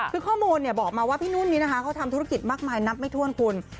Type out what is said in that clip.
คือข้อมูลบอกมาว่าพี่นุ่นนี้นะคะเขาทำธุรกิจมากมายนับไม่ถ้วนคุณ